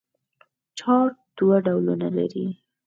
چارج دوه ډولونه لري.